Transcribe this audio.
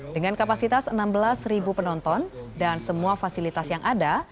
dengan kapasitas enam belas penonton dan semua fasilitas yang ada